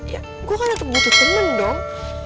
ya gue kan ada kebutuhan temen dong